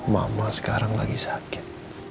mama sekarang lagi sakit